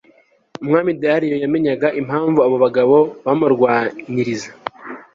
umwami dariyo yamenyaga impamvu abo bagabo bamurwanyiriza